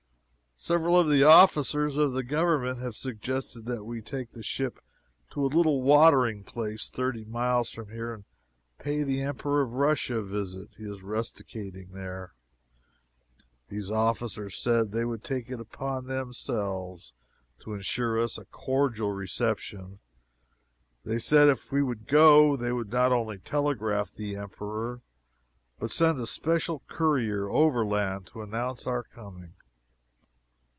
Several of the officers of the Government have suggested that we take the ship to a little watering place thirty miles from here, and pay the Emperor of Russia a visit. He is rusticating there. These officers said they would take it upon themselves to insure us a cordial reception. They said if we would go, they would not only telegraph the Emperor, but send a special courier overland to announce our coming.